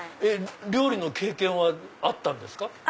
料理の経験はあったんですか？